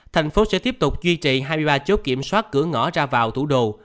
thành phố sẽ tiếp tục duy trì hai mươi ba chốt kiểm soát cửa ngõ ra vào thủ đô